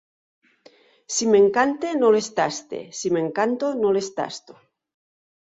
Si m'encante no les taste! Si m'encanto no les tasto!